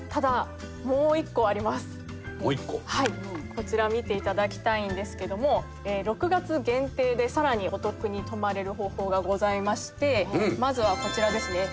こちら見て頂きたいんですけども６月限定でさらにお得に泊まれる方法がございましてまずはこちらですね。